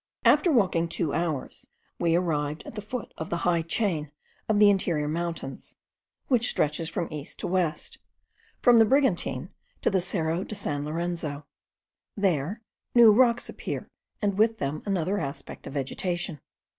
After walking two hours, we arrived at the foot of the high chain of the interior mountains, which stretches from east to west; from the Brigantine to the Cerro de San Lorenzo. There, new rocks appear, and with them another aspect of vegetation.